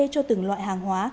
vat cho từng loại hàng hóa